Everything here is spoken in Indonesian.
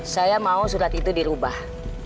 saya mau surat itu dirubah